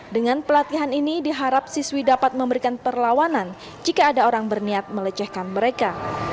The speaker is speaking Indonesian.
dengan pelatihan ini diharap siswi dapat memberikan perlawanan jika ada orang berniat melecehkan mereka